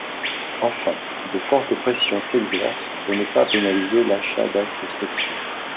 Enfin, de fortes pressions s’exercent pour ne pas pénaliser l’achat d’actes sexuels.